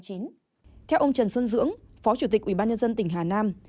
theo ông trần xuân dưỡng phó chủ tịch ủy ban nhân dân tỉnh hà nam